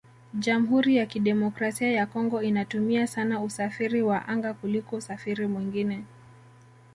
Jamhuri ya Kidemokrasia ya Congo inatumia sana usafiri wa anga kuliko usafiri mwingine